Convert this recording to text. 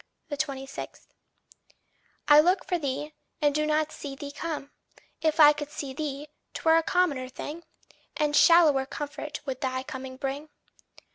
26. I look for thee, and do not see thee come. If I could see thee, 'twere a commoner thing, And shallower comfort would thy coming bring.